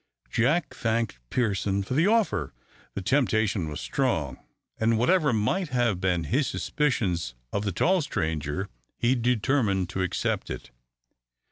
Jack thanked Pearson for the offer. The temptation was strong, and whatever might have been his suspicions of the tall stranger, he determined to accept it.